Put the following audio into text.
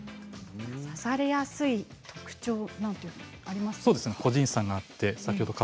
刺されやすい特徴なんていうのがありますか？